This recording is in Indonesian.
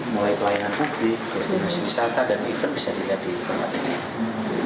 mulai pelayanan publik destinasi wisata dan event bisa dilihat di tempat ini